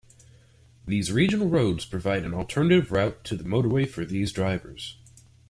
These regional roads provide an alternative route to the motorway for these drivers.